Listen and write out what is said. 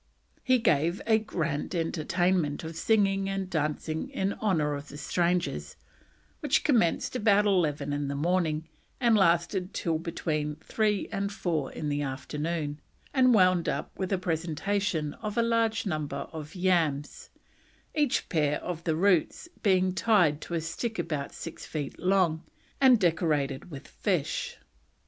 He gave a grand entertainment of singing and dancing in honour of the strangers, which commenced about eleven in the morning and lasted till between three and four in the afternoon, and wound up with a presentation of a large number of yams, each pair of the roots being tied to a stick about six feet long, and decorated with fish.